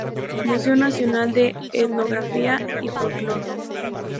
Museo nacional de etnografía y folklore.